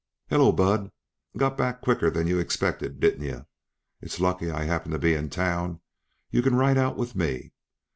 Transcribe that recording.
"Hello, Bud. Got back quicker than you expected, didn't yuh? It's lucky I happened to be in town yuh can ride out with me.